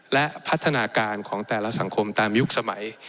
และพัฒนาการของแต่ละสังคมตามยุคสมัย